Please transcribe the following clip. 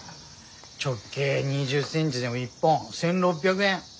直径２０センチでも一本１，６００円。